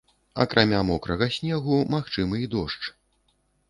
Акрамя мокрага снегу, магчымы і дождж.